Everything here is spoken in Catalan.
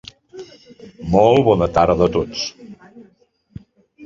Molt bona tarda a tots.